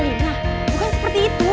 alina bukan seperti itu